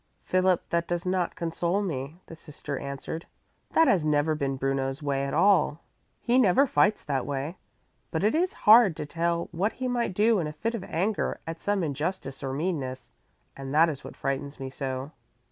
"Philip, that does not console me," the sister answered. "That has never been Bruno's way at all. He never fights that way. But it is hard to tell what he might do in a fit of anger at some injustice or meanness, and that is what frightens me so."